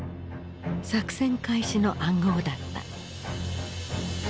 作戦開始の暗号だった。